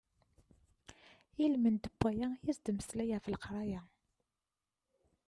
Ilmend n waya i as-d-mmeslay ɣef leqraya.